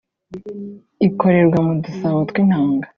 ikorerwa mu dusabo tw’intanga